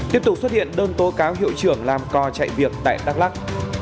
tiếp tục xuất hiện đơn tố cáo hiệu trưởng làm co chạy việc tại đắk lắc